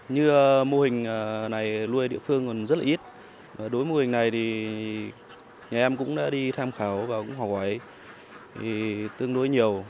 như mô hình này nuôi địa phương còn rất là ít đối với mô hình này thì nhà em cũng đã đi tham khảo và cũng hỏi tương đối nhiều